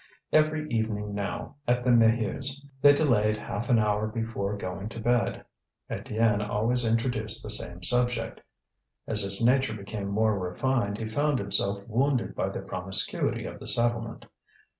Every evening now, at the Maheus', they delayed half an hour before going up to bed. Étienne always introduced the same subject. As his nature became more refined he found himself wounded by the promiscuity of the settlement.